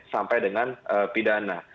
sampai dengan pidana